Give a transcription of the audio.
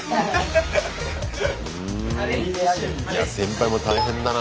いや先輩も大変だな